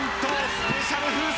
スペシャル風船が来た。